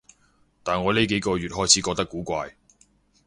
但我呢幾個月開始覺得古怪